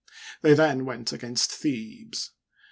They then went against Thebes.